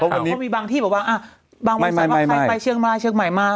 เพราะวันนี้เขามีบางที่บอกว่าบางวันสำหรับใครไปเชียงรายเชียงใหม่มา